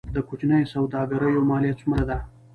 د کوچنیو سوداګریو مالیه څومره ده؟